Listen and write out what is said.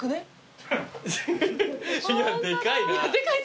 いやでかいな。